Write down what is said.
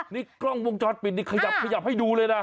นี่กล้องวงจรปิดนี่ขยับขยับให้ดูเลยนะ